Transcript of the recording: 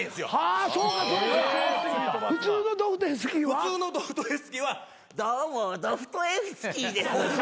普通のドストエフスキーはどうもドストエフスキーです。